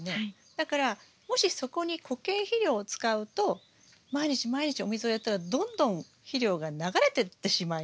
だからもしそこに固形肥料を使うと毎日毎日お水をやったらどんどん肥料が流れてってしまいますよね。